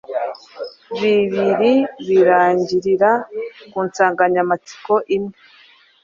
bibiri birangirira ku nsanganyamatsiko imwe